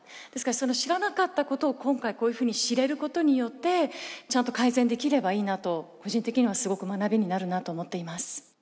ですからその知らなかったことを今回こういうふうに知れることによってちゃんと改善できればいいなと個人的にはすごく学びになるなと思っています。